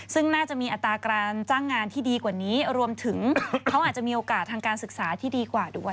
ซึ่งน่าจะมีอัตราการจ้างงานที่ดีกว่านี้รวมถึงเขาอาจจะมีโอกาสทางการศึกษาที่ดีกว่าด้วย